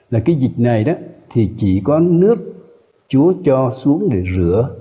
là cái dịch này đó thì chỉ có nước chúa cho xuống này rửa